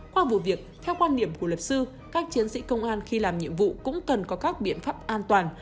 qua vụ việc theo quan điểm của luật sư các chiến sĩ công an khi làm nhiệm vụ cũng cần có các biện pháp an toàn